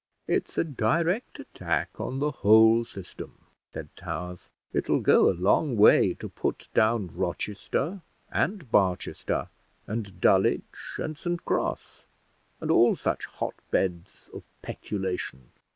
"It's a direct attack on the whole system," said Towers. "It'll go a long way to put down Rochester, and Barchester, and Dulwich, and St Cross, and all such hotbeds of peculation.